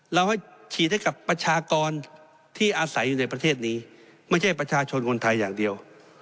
เราให้ฉีดให้กับประชากรที่อาศัยอยู่ในประเทศนี้ไม่ใช่ประชาชนคนไทยอย่างเดียว